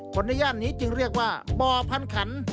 คนในย่านนี้จึงเรียกว่าบ่อพันขัน